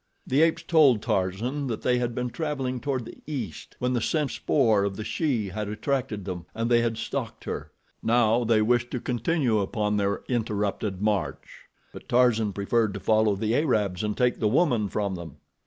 The apes told Tarzan that they had been traveling toward the east when the scent spoor of the she had attracted them and they had stalked her. Now they wished to continue upon their interrupted march; but Tarzan preferred to follow the Arabs and take the woman from them.